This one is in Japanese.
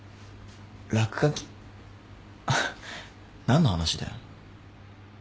何の話だよ。